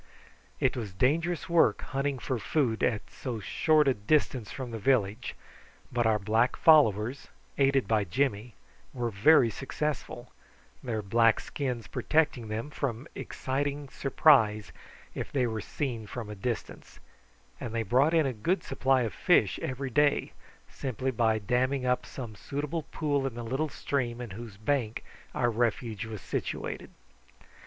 It was dangerous work hunting for food at so short a distance from the village, but our black followers, aided by Jimmy, were very successful, their black skins protecting them from exciting surprise if they were seen from a distance, and they brought in a good supply of fish every day simply by damming up some suitable pool in the little stream in whose bank our refuge was situated.